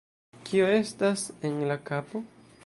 Kio estas en la kapo?